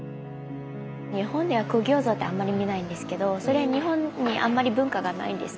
日本では苦行像ってあんまり見ないんですけどそれは日本にあんまり文化がないんですか？